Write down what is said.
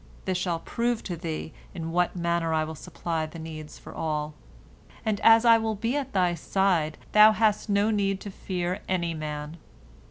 This shall prove to thee in what manner I will supply the needs of all. And as I will be at thy side, thou hast no need to fear any man.